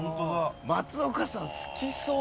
松岡さん好きそう！